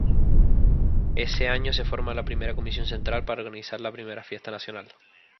Ese año se forma la primera Comisión Central para organizar la Primera Fiesta Nacional.